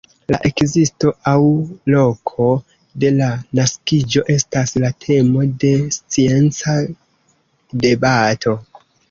La ekzisto aŭ loko de la naskiĝo estas la temo de scienca debato.